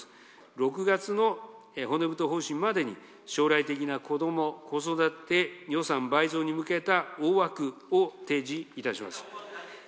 ６月の骨太方針までに、将来的な子ども・子育て予算倍増に向けた大枠を提示いたします。